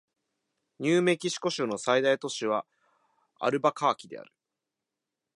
ニューメキシコ州の最大都市はアルバカーキである